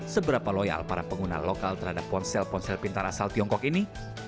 seberapa loyal para pengguna lokal terhadap ponsel ponsel pintar asal tiongkok ini